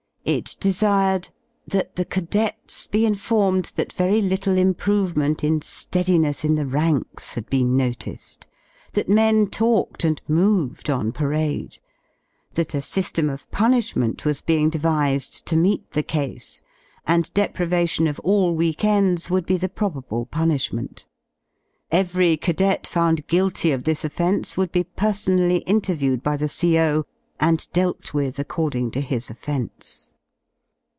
It desired that the cadets be informed that very little improvement m Sieadmess in the ranks had he en noticed; that men talked and moved on parade; that a system of punishment was being devised to meet the case^ and deprivation of all week ends would be the probable punishment. Every cadet found guilty of this offence would be personally interviewed by the CO. a7id dealt with according to his offence.